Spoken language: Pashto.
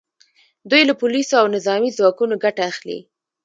دوی له پولیسو او نظامي ځواکونو ګټه اخلي